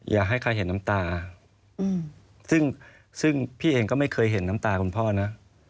อยากให้ใครเห็นน้ำตาซึ่งพี่เองก็ไม่เคยเห็นน้ำตาคุณพ่อนะ